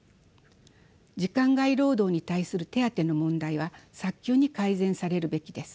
時間外労働に対する手当の問題は早急に改善されるべきです。